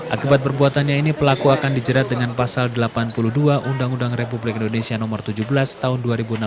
akibat perbuatannya ini pelaku akan dijerat dengan pasal delapan puluh dua undang undang republik indonesia no tujuh belas tahun dua ribu enam belas